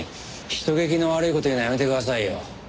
人聞きの悪い事言うのやめてくださいよ。